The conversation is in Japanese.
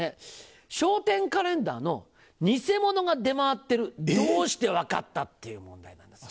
「笑点カレンダーの偽物が出回ってるどうして分かった？」っていう問題なんです。